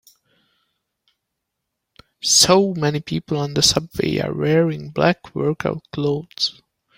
So many people on the subway are wearing black workout clothes.